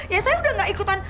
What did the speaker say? ya saya udah gak ikutan